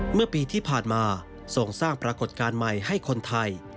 เมื่อปีที่ผ่านมาส่งสร้างปรากฏการณ์ใหม่ให้คนไทย